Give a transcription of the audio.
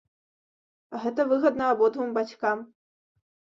Гэта выгадна абодвум бацькам.